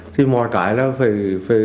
thì mọi cái là phải